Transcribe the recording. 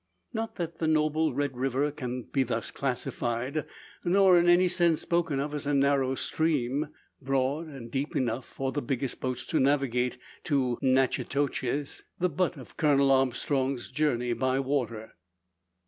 Not that the noble Red River can be thus classified; nor in any sense spoken of as a narrow stream. Broad, and deep enough, for the biggest boats to navigate to Natchitoches the butt of Colonel Armstrong's journey by water.